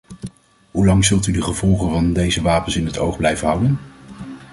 Hoe lang zult u de gevolgen van deze wapens in het oog blijven houden?